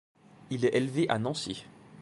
Il est élevé à Nancy.